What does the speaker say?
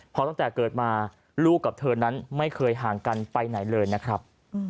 เพราะตั้งแต่เกิดมาลูกกับเธอนั้นไม่เคยห่างกันไปไหนเลยนะครับ